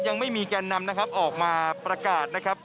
ยังไม่มีแกนนำนะครับออกมาประกาศนะครับ